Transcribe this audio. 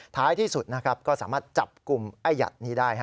ท้ายที่สุดนะครับก็สามารถจับกลุ่มไอ้หยัดนี้ได้